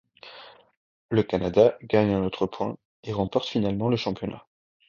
Le Canada gagne un autre point et remporte finalement le championnat.